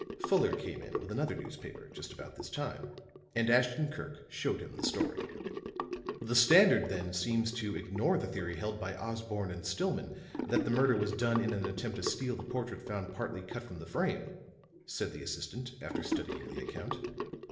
Fuller came in with another newspaper just about this time and Ashton Kirk showed him the story. "The Standard, then, seems to ignore the theory held by Osborne and Stillman that the murder was done in an attempt to steal the portrait found partly cut from the frame," said the assistant after studying the account.